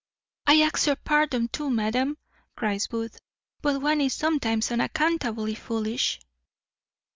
"I ask your pardon, too, madam," cries Booth, "but one is sometimes unaccountably foolish."